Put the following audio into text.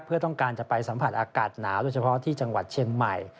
เพื่อต้องการจะไปสัมผัสอากาศหนาวโดยเฉพาะที่จังหวัดเชียงใหม่